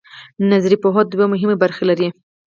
نظري پوهه دوه مهمې برخې لري.